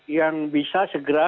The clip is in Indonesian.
yang bisa segera